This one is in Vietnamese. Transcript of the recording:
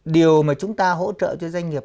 điều mà chúng ta hỗ trợ cho doanh nghiệp